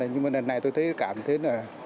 nhưng mà lần này tôi thấy cảm thấy